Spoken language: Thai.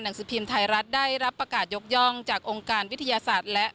สือพิมพ์ไทยรัฐได้รับประกาศยกย่องจากองค์การวิทยาศาสตร์และ